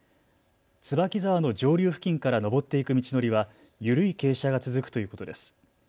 椿沢の上流付近から登っていく道のりは緩い傾斜が続くということです。